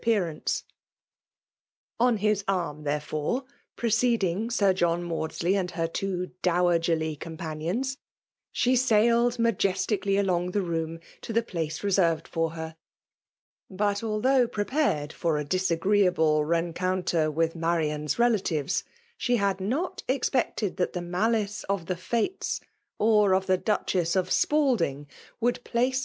appeatancc« On bis arm, thevefiire,' pni«» ceding Sir John Maudsley and her 4iib dowagcrly companions, she sailed majesticssi^ along rthe room to the place reserved, fori her. 9«^:althougb prepared for a disagreeable t3ett4 coiiinter with Masian^s irclatives^ she .had wA expected that the malice of the Fat08» atjti tibe Dudu^s of Spalding,, vxrald place.